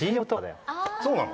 あそうなの？